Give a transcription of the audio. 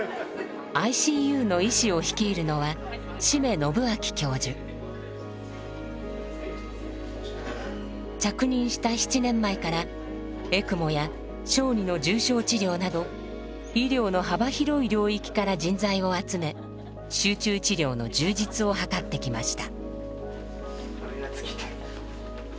ＩＣＵの医師を率いるのは着任した７年前からエクモや小児の重症治療など医療の幅広い領域から人材を集め集中治療の充実を図ってきました。